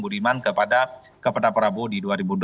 budiman kepada prabowo di dua ribu dua puluh